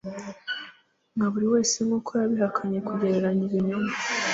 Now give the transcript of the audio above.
nka buriwese nkuko yabihakanye kugereranya ibinyoma